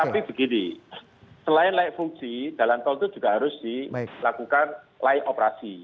tapi begini selain layak fungsi jalan tol itu juga harus dilakukan layak operasi